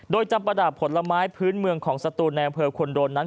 โดยจำประดับผลไม้พื้นเมืองของสตูนในอำเภอควรโดนนั้น